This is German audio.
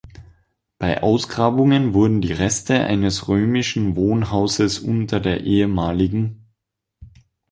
Bei Ausgrabungen wurden die Reste eines Römischen Wohnhauses unter der ehem.